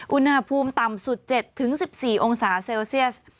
อุณหภูมิต่ำสุด๗๑๔องศาเซลเซียส